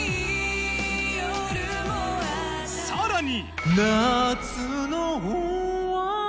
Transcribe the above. さらに。